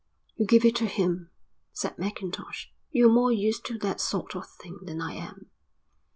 "You give it to him," said Mackintosh. "You're more used to that sort of thing than I am."